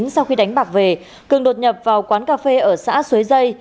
sau khi đánh bạc về cường đột nhập vào quán cà phê ở xã xuế dây